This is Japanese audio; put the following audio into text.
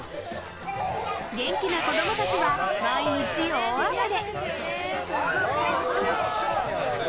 元気な子供たちは、毎日大暴れ！